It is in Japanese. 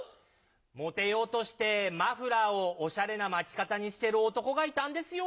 モテようとしてマフラーをオシャレな巻き方にしてる男がいたんですよ。